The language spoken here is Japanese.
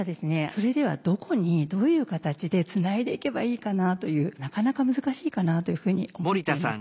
それではどこにどういう形でつないでいけばいいかなというなかなか難しいかなというふうに思っています。